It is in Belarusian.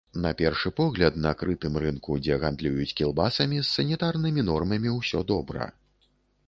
На першы погляд, на крытым рынку, дзе гандлююць кілбасамі, з санітарнымі нормамі ўсё добра.